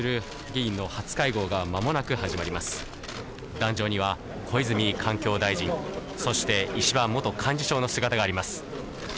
壇上には小泉環境大臣、そして石破元幹事長の姿があります。